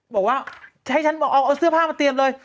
บอกว่าให้ฉันบอกเอาเสื้อผ้ามาเตรียมเลย